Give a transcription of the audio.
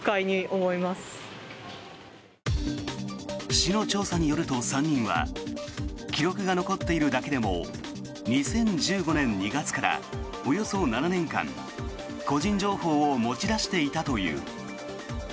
市の調査によると、３人は記録が残っているだけでも２０１５年２月からおよそ７年間いってらっしゃい！